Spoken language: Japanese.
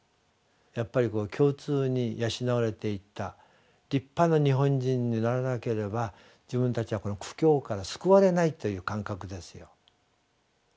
やっぱり共通に養われていった立派な日本人にならなければ自分たちはこの苦境から救われないという感覚ですよ。